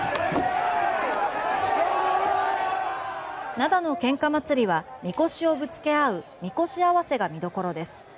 灘のけんか祭りはみこしをぶつけ合うみこし合わせが見どころです。